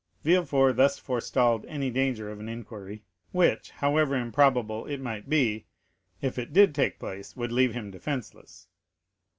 Villefort thus forestalled any danger of an inquiry, which, however improbable it might be, if it did take place would leave him defenceless.